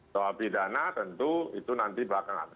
soal pidana tentu itu nanti belakangan